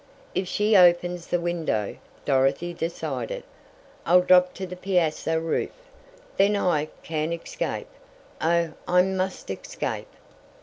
"If she opens the window," Dorothy decided, "I'll drop to the piazza roof! Then I can escape! Oh, I must escape!"